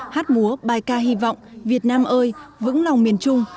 hát múa bài ca hy vọng việt nam ơi vững lòng miền trung